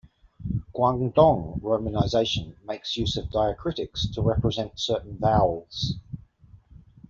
Guangdong romanization makes use of diacritics to represent certain vowels.